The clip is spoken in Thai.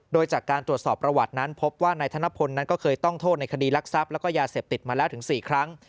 โดยจากการตรวจสอบประวัตินั้นพบว่านายธนพลนั้นก็เคยต้องโทษในคดีรักทรัพย์แล้วก็ยาเสพติดมาแล้วถึง๔ครั้ง